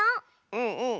うんうん！